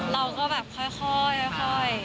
เราก็แบบค่อย